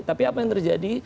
tapi apa yang terjadi